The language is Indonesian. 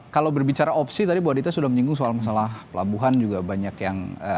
kalau berbicara opsi tadi bu adita sudah menyinggung soal masalah pelabuhan juga banyak yang